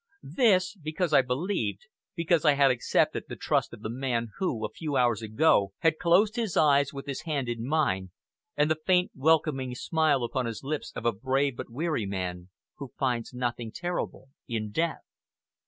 This, because I believed, because I had accepted the trust of the man who, a few hours ago, had closed his eyes with his hand in mine, and the faint welcoming smile upon his lips of a brave but weary man, who finds nothing terrible in death.